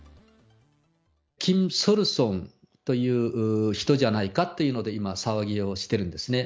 キム・ソルソンという人じゃないかっていうので、今、騒ぎをしてるんですね。